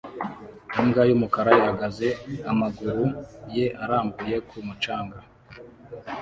Imbwa y'umukara ihagaze amaguru ye arambuye ku mucanga